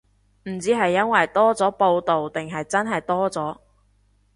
唔知係因為多咗報導定係真係多咗